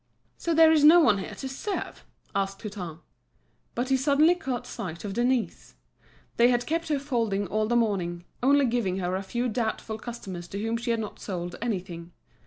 "So there's no one here to serve?" asked Hutin. But he suddenly caught sight of Denise. They had kept her folding all the morning, only giving her a few doubtful customers to whom she had not sold anything.